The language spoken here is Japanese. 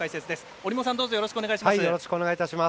折茂さん、よろしくお願いします。